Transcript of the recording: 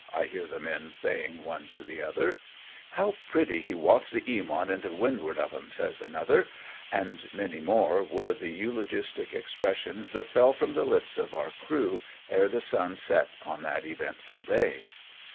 ^' I hear the men saying one to the other. " How pretty he walked the Eamont into wind'ard of them," says another; and many more were the 214 AMONG TYPHOONS AND PIRATE CRAFT. eulogistic expressions that fell from the lips of our crew ere the sun set on that cYentful day.